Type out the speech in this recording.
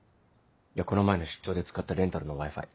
この前の出張で使ったレンタルのＷｉ−Ｆｉ。